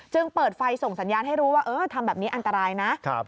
เปิดไฟส่งสัญญาณให้รู้ว่าเออทำแบบนี้อันตรายนะ